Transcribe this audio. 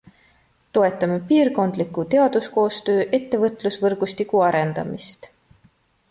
Toetame piirkondliku teaduskoostöö ettevõtlusvõrgustiku arendamist.